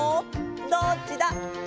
どっちだ？